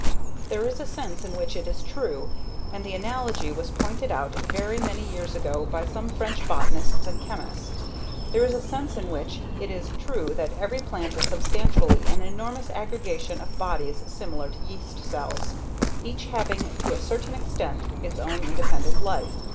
There is a sense in which it is true and the analogy was pointed out very many years ago by some French botanists and chemists there is a sense in which it is true that every plant is substantially an enormous aggregation of bodies similar to yeast cells, each having to a certain extent its own independent life.